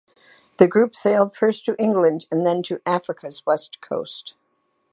The group sailed first to England and then to Africa's west coast.